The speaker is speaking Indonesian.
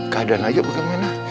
keadaan aja bagaimana